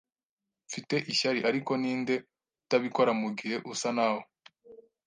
Mfite ishyari, ariko ninde utabikora mugihe usa nawe